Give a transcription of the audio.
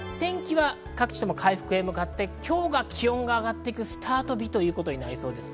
各地とも回復へ向かって今日が気温が上がっていく、スタート日となりそうです。